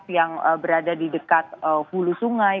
yang berada di dekat hulu sungai